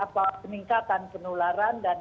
peningkatan penularan dan